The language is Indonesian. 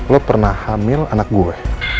lo pernah hamil anak gue